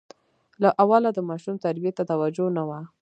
له اوله د ماشوم تربیې ته توجه نه وه.